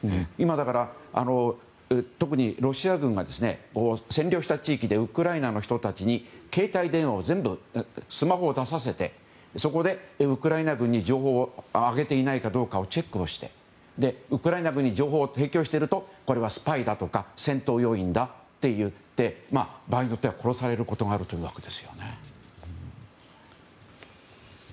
特にロシア軍が占領した地域でウクライナの人たちにスマホを全部出させてロシア軍に情報をあげていないかどうかをチェックをしてウクライナ軍に情報を提供しているとスパイだとか戦闘要員だといって場合によっては殺されることもあるというわけです。